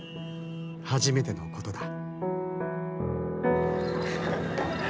初めてのことだ。